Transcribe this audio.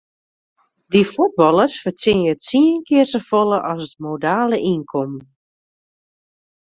Dy fuotballers fertsjinje tsien kear safolle as it modale ynkommen.